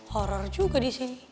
horor juga di sini